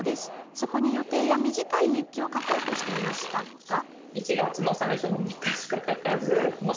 そこに予定や短い日記を書こうとしていましたが。